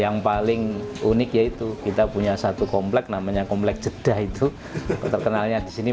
yang paling unik yaitu kita punya satu komplek namanya komplek jeddah itu terkenalnya di sini